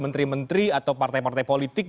menteri menteri atau partai partai politik